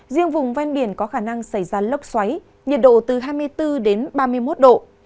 riêng vùng ven biển có khả năng xảy ra lốc xoáy nhiệt độ từ hai mươi bốn đến ba mươi một độ